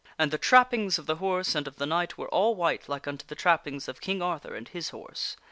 And the trappings of the horse and of the knight were all white like io8 THE WINNING OF A QUEEN unto the trappings of King Arthur and his horse.